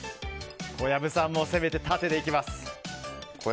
小籔さんも攻めて縦でいきます。